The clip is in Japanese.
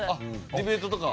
ディベートとか？